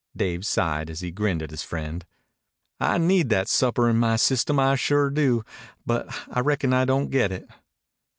Dave sighed as he grinned at his friend. "I need that supper in my system. I sure do, but I reckon I don't get it."